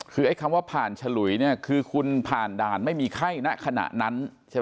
คือไอ้คำว่าผ่านฉลุยเนี่ยคือคุณผ่านด่านไม่มีไข้ณขณะนั้นใช่ไหม